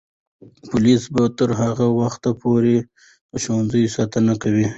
پولیس به تر هغه وخته پورې د ښوونځیو ساتنه کوي.